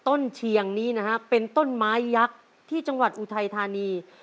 เชียงนี้นะฮะเป็นต้นไม้ยักษ์ที่จังหวัดอุทัยธานี